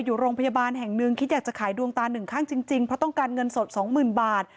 อยู่โรงพยาบาลแห่งหนึ่งคิดอยากจะขายดวงตาหนึ่งข้างจริงเพราะต้องการเงินสดสองหมื่นบาท